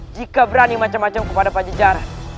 jika berani macam macam kepada pajejaran